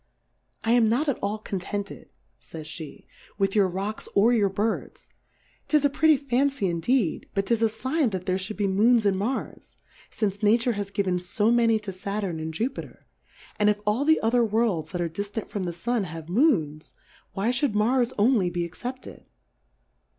I am not at all contented, fays Jhe, with your Rocks, or your Birds; 'tis a pretty Fancy indeed, but 'tis a fign that there fhould be Moons in Marsy fince Nature has given fo many to Saturn and Jufiter^ and if all the other Worlds that are diftant from the Stm^ have Moonsy why Ihould Mars only be ex cepted